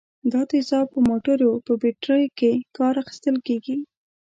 دا تیزاب په موټرو په بټریو کې کار اخیستل کیږي.